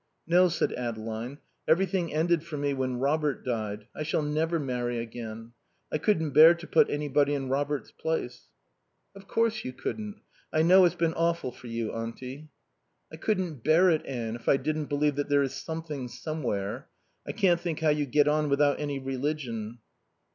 "No," said Adeline. "Everything ended for me when Robert died. I shall never marry again. I couldn't bear to put anybody in Robert's place." "Of course you couldn't. I know it's been awful for you, Auntie." "I couldn't bear it, Anne, if I didn't believe that there is Something Somewhere. I can't think how you get on without any religion."